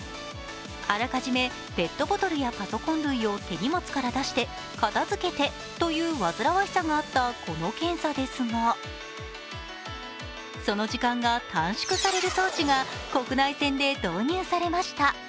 あらかじめペットボトルやパソコン類を手荷物から出して片付けてという煩わしさがあったこの検査ですがその時間が短縮される装置が国内線で導入されました。